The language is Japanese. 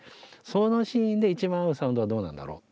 そのシーンで一番合うサウンドはどうなんだろう？